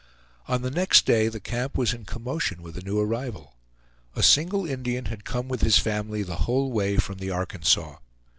On the next day the camp was in commotion with a new arrival. A single Indian had come with his family the whole way from the Arkansas.